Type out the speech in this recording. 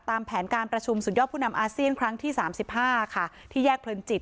แผนการประชุมสุดยอดผู้นำอาเซียนครั้งที่๓๕ค่ะที่แยกเพลินจิต